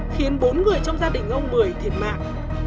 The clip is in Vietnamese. khiến bốn người trong gia đình ông mười thiệt mạng